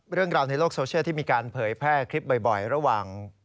เรื่องราวในโลกโซเชียลที่มีการเผยแพร่คลิปบ่อยระหว่าง